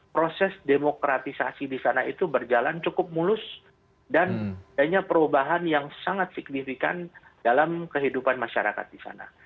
proses demokratisasi di sana itu berjalan cukup mulus dan perubahan yang sangat signifikan dalam kehidupan masyarakat di sana